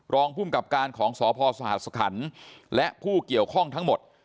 รองภูมิกับการของสพสหสคันและผู้เกี่ยวข้องทั้งหมด